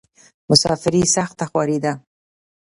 مسافري سخته خواری ده.